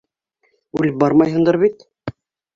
Үлеп бармайһыңдыр бит.